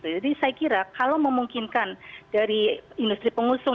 jadi saya kira kalau memungkinkan dari industri pengusung